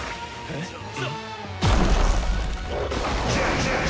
大丈夫！？